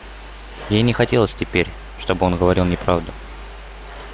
Ей не хотелось теперь, чтобы он говорил неправду.